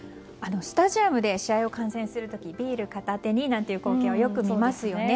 スタジアムで試合を観戦する時にビール片手になんていう光景をよく見ますよね。